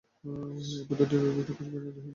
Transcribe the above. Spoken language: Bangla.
এই পদ্ধতি উদ্ভিদের কোষ বিভাজন ও দৈহিক বৃদ্ধি করে।